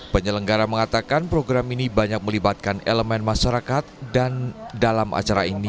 penyelenggara mengatakan program ini banyak melibatkan elemen masyarakat dan dalam acara ini